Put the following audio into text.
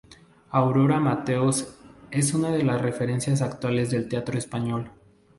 Aurora Mateos es una de las referencias actuales del teatro español.